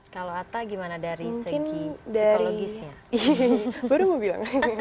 kalau atta gimana dari segi psikologisnya